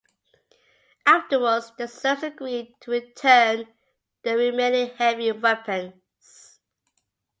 Afterwards, the Serbs agreed to return the remaining heavy weapons.